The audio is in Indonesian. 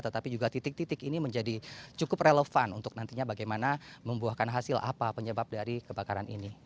tetapi juga titik titik ini menjadi cukup relevan untuk nantinya bagaimana membuahkan hasil apa penyebab dari kebakaran ini